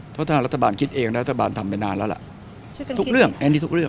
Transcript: เพราะถ้ารัฐบาลคิดเองรัฐบาลทำไปนานแล้วล่ะทุกเรื่องอันนี้ทุกเรื่อง